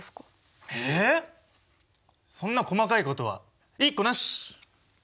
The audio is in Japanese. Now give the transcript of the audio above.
えそんな細かいことは言いっこなし。